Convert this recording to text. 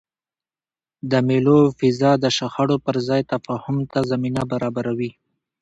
د مېلو فضا د شخړو پر ځای تفاهم ته زمینه برابروي.